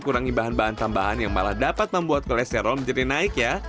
kurangi bahan bahan tambahan yang malah dapat membuat kolesterol menjadi naik ya